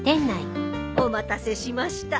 お待たせしました。